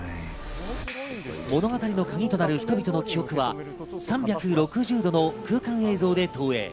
物語の鍵となる人々の記憶は３６０度の空間映像で投影。